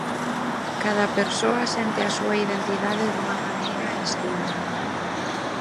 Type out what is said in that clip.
Cada persoa sente a súa identidade dunha maneira distinta.